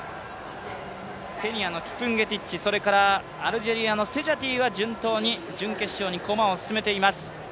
ケニアのキプンゲティッチ、それからアルジェリアのセジャティは順当に準決勝に駒を進めています。